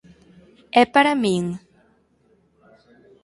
É para min?